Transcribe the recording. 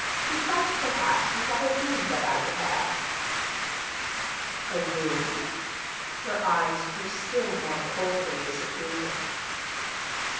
He thought perhaps you had a room that I could have." "A room?" Her eyes grew still more coldly disapproving.